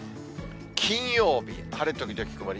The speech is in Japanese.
金曜日、晴れ時々曇り。